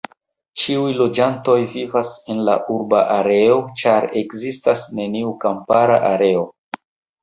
Ĉiuj loĝantoj vivas en la urba areo, ĉar ekzistas neniu kampara areo.